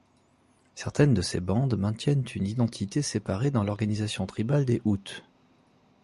Certaines de ces bandes maintiennent une identité séparée dans l'organisation tribale des Utes.